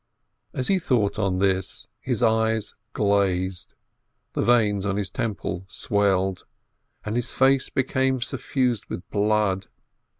As he thought on this, his eyes glazed, the veins on his temple swelled, and his face became suffused with blood.